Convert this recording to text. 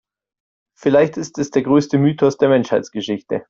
Vielleicht ist es der größte Mythos der Menschheitsgeschichte.